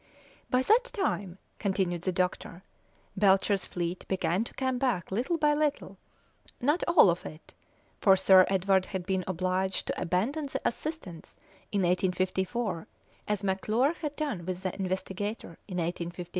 "By that time," continued the doctor, "Belcher's fleet began to come back little by little; not all of it, for Sir Edward had been obliged to abandon the Assistance in 1854, as McClure had done with the Investigator in 1853.